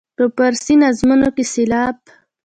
په فارسي نظمونو کې سېلاب.